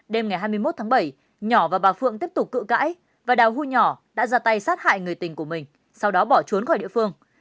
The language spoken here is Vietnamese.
đêm ngày hai mươi một tháng bảy nhỏ và bà phượng tiếp tục cự cãi và đào huy nhỏ đã ra tay sát hại người tình của mình sau đó bỏ trốn khỏi địa phương